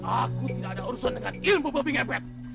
aku tidak ada urusan dengan ilmu babi ngepet